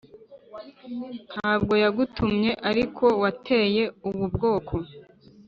ntabwo yagutumye ariko wateye ubu bwoko